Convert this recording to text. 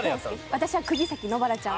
私は釘崎野薔薇ちゃんを。